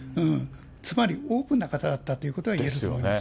つまり、オープンな方だったということがいえると思います。